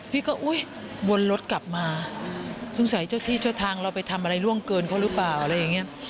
พี่ก็อุ๊ยวนรถกลับมาสงสัยเจ้าที่เจ้าทางเราไปทำอะไรร่วงเกินเขาหรือเปล่าอะไรอย่างนี้